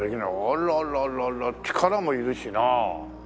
あらららら力もいるしな。